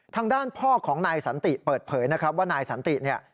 ทางด้านพ่อของนายสันติเปิดเผยนะครับว่านายสันติเนี่ย